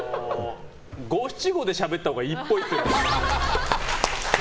五七五でしゃべったほうがいいっぽい。